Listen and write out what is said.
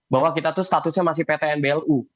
bahwa kita tuh statusnya masih pt nblu